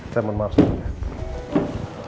saya mau masuk